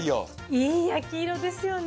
いい焼き色ですよね。